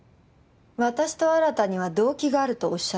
私と新には動機があるとおっしゃりたい？